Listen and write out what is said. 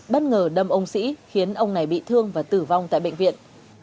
bất ngờ đâm ông sĩ khiến ông này bị thương và tử vong tại bệnh viện